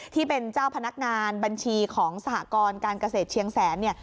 ที่เป็นเจ้าพนักงานบัญชีของสหกรการเกษตรเชียงแสนเนี่ย